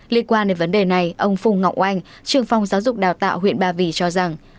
liên quan đến vấn đề này ông phùng ngọc oanh trường phong giáo dục đào tạo huyện ba vì cho rằng